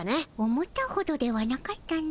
思ったほどではなかったの。